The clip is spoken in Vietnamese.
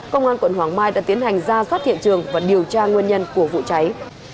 công an quận hoàng mai đã tiến hành ra soát hiện trường và điều tra nguyên nhân của vụ cháy